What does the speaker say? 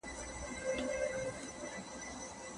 د ټوکرانو کمښت لویه ستونزه ده.